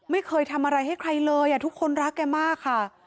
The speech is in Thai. ไม่เคยทำอะไรให้ใครเลยทุกคนรักแกมากค่ะ